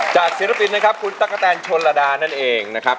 ศิลปินนะครับคุณตั๊กกะแตนชนระดานั่นเองนะครับ